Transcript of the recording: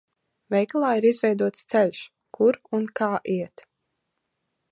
Veikalā ir izveidots ceļš, kur un kā iet.